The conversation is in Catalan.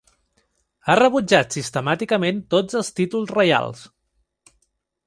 Ha rebutjat sistemàticament tots els títols reials.